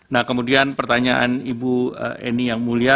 nah kemudian pertanyaan ibu eni yang mulia